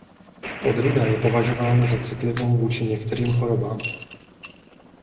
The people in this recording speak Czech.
Odrůda je považována za citlivou vůči některým chorobám.